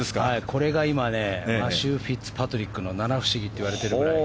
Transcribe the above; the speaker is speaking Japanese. これが今マシュー・フィッツパトリックの七不思議って言われてるぐらい。